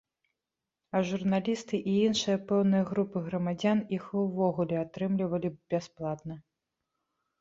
А журналісты і іншыя пэўныя групы грамадзян іх і ўвогуле атрымлівалі б бясплатна.